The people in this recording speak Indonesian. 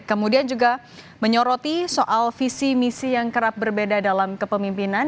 kemudian juga menyoroti soal visi misi yang kerap berbeda dalam kepemimpinan